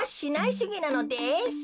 しゅぎなのです。